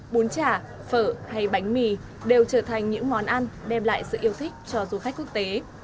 bún chả phở hay bánh mì đều trở thành những món ăn đem lại sự yêu thích cho du khách quốc tế